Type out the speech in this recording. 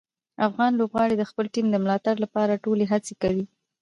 افغان لوبغاړي د خپلې ټیم د ملاتړ لپاره ټولې هڅې کوي.